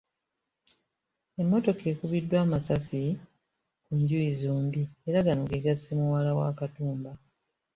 Emmotoka ekubiddwa amasasi ku njuuyi zombi era gano ge gasse muwala wa Katumba .